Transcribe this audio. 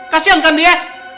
kasihan kan dia